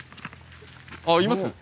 あっいますよ。